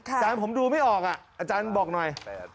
อาจารย์ผมดูไม่ออกอาจารย์บอกหน่อย